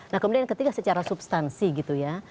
nah kemudian yang ketiga secara substansi gitu ya